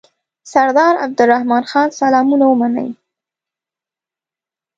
سردار عبدالرحمن خان سلامونه ومنئ.